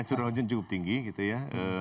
curah hujan cukup tinggi gitu ya